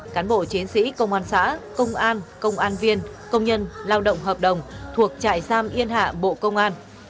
cán bộ chiến sĩ công an xã công an công an viên công nhân lao động hợp đồng thuộc trại giam yên hạ bộ công an